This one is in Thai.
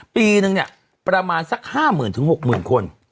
ปีหนึ่งประมาณสัก๕หมื่นถึง๖หมื่นคน